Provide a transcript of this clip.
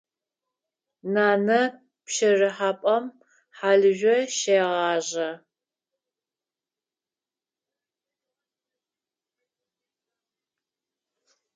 Нанэ пщэрыхьапӏэм хьалыжъо щегъажъэ.